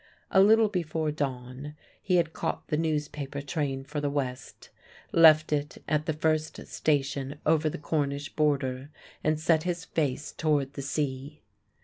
A little before dawn he had caught the newspaper train for the west, left it at the first station over the Cornish border and set his face toward the sea.